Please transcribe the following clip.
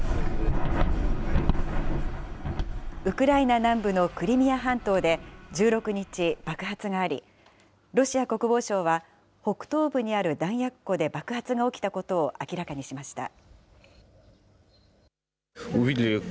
ウクライナ南部のクリミア半島で１６日、爆発があり、ロシア国防省は、北東部にある弾薬庫で爆発が起きたことを明らかにしました。